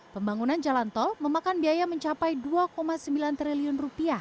pembangunan jalan tol memakan biaya mencapai rp dua sembilan triliun